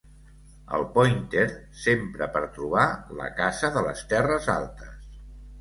El pòinter s'empra per trobar la caça de les terres altes.